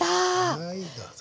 はいどうぞ。